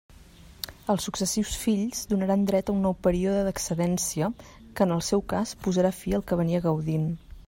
Els successius fills donaran dret a un nou període d'excedència que, en el seu cas posarà fi al que venia gaudint.